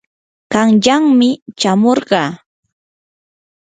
qanyanmi chamurqaa.